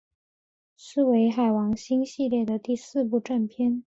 是为海王星系列的第四部正篇。